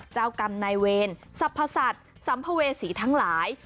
เจ้ากรรมนายเวรสรรพสัตว์สัมภเวษีทั้งหลาย